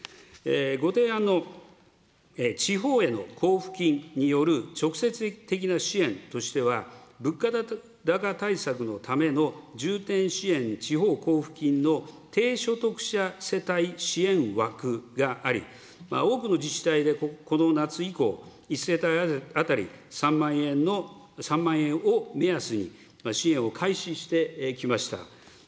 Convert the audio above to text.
ご提案の地方への交付金による直接的な支援としては、物価高対策のための重点支援、地方交付金の低所得者世帯支援枠があり、多くの自治体でこの夏以降、１世帯当たり３万円を目安に支援を開始してきました。